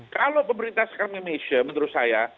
kalau pemerintah sekarang di malaysia menurut saya